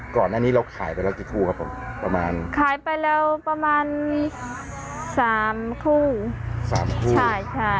ก่อนหน้านี้เราขายไปแล้วกี่คู่ครับผมประมาณขายไปแล้วประมาณสามคู่สามคู่ใช่ใช่